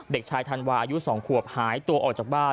เด็กชายธันวาอายุ๒ขวบหายตัวออกจากบ้าน